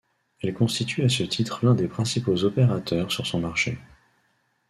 Elle constitue à ce titre l'un des principaux opérateurs sur son marché.